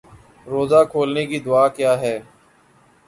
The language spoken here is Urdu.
روزہ کھولنے کی دعا کیا ہے